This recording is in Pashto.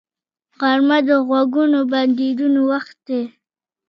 غرمه د غږونو بندیدو وخت دی